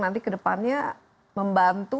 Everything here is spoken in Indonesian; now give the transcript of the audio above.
nanti kedepannya membantu